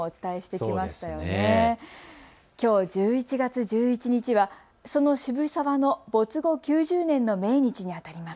きょう１１月１１日はその渋沢の没後９０年の命日にあたります。